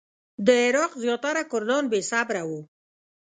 د عراق زیاتره کردان بې صبره وو.